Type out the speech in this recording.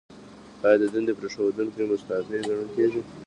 ایا د دندې پریښودونکی مستعفي ګڼل کیږي؟